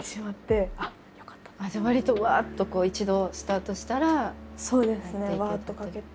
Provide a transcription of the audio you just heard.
じゃあわりとうわっと一度スタートしたら入っていけて。